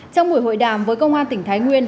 trong buổi hội đàm với công an tỉnh thái nguyên